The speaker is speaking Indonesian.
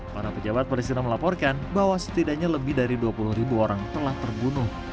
para pejabat presiden melaporkan bahwa setidaknya lebih dari dua puluh ribu orang telah terbunuh